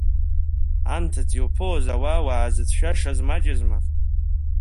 Анҭыҵ иԥылоз ауаа уаазыцәшәашаз маҷызма.